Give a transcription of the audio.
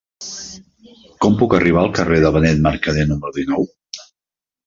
Com puc arribar al carrer de Benet Mercadé número dinou?